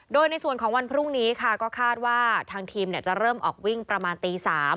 โดยในส่วนของวันพรุ่งนี้ค่ะก็คาดว่าทางทีมจะเริ่มออกวิ่งประมาณตี๓